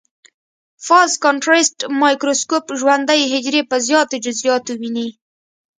فاز کانټرسټ مایکروسکوپ ژوندۍ حجرې په زیاتو جزئیاتو ويني.